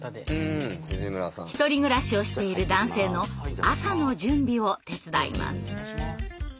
１人暮らしをしている男性の朝の準備を手伝います。